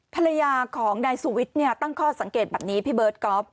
ภรรยาของนายสุวิทย์ตั้งข้อสังเกตแบบนี้พี่เบิร์ตก๊อฟ